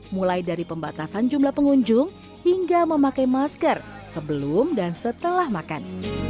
mulai dari pembatasan jumlah pengunjung hingga memakai masker sebelum dan setelah makan